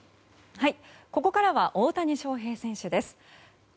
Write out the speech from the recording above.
ここからは大谷翔平選手です。